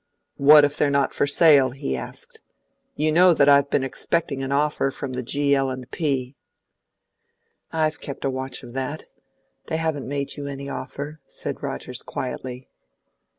"What if they are not for sale?" he asked. "You know that I've been expecting an offer from the G. L. & P." "I've kept watch of that. They haven't made you any offer," said Rogers quietly.